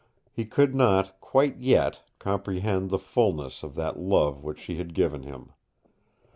He could not, quite yet, comprehend the fulness of that love which she had given him.